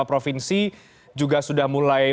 provinsi juga sudah mulai